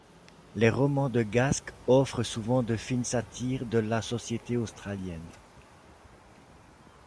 Les romans de Gask offrent souvent de fines satires de la société australienne.